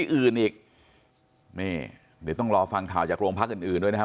อื่นอีกนี่เดี๋ยวต้องรอฟังข่าวจากโรงพักอื่นอื่นด้วยนะครับ